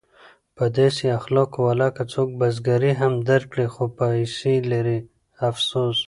په داسې اخلاقو ولاکه څوک بزګري هم درکړي خو پیسې لري افسوس!